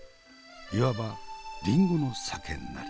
いわばりんごの酒なり。